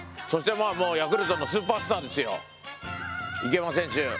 そしてまあもうヤクルトのスーパースターですよ池山選手。